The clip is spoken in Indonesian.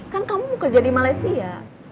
kan kamu kerja di malaysia